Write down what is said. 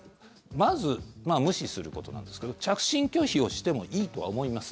まず、無視することなんですけど着信拒否をしてもいいとは思います。